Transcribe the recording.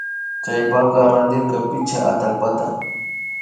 Chaypaka randirka pichka atallpata